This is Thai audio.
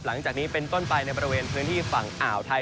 หลังจากนี้เป็นต้นไปในบริเวณพื้นที่ฝั่งอ่าวไทย